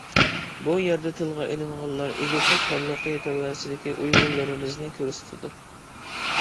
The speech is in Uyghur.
بۇ يەردە تىلغا ئېلىنغانلار ئىدىقۇت خانلىقى تەۋەسىدىكى ئۇيغۇرلىرىمىزنى كۆرسىتىدۇ.